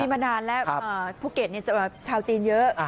มานานแล้วภูเก็ตชาวจีนเยอะ